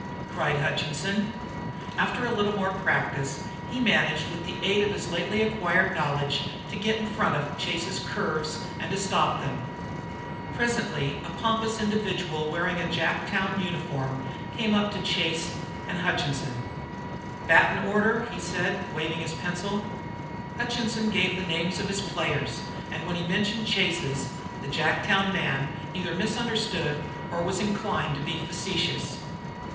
cried Hutchinson. After a little more practice he managed with the aid of his lately acquired knowledge to get in front of Chase's curves and to stop them. Presently a pompous individual wearing the Jacktown uniform came up to Chase and Hutchinson. "Battin' order," he said, waving his pencil. Hutchinson gave the names of his players, and when he mentioned Chase's the Jacktown man either misunderstood or was inclined to be facetious.